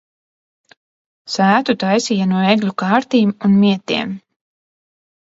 Sētu taisīja no egļu kārtīm un mietiem.